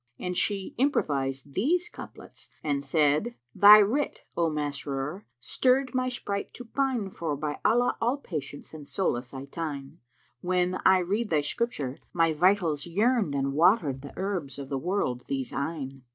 And she improvised these couplets and said, "Thy writ, O Masrúr, stirred my sprite to pine * For by Allah, all patience and solace I tyne: When I read thy scripture, my vitals yearned * And watered the herbs of the wold these eyne.